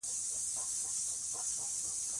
ازادي راډیو د سوداګري ستونزې راپور کړي.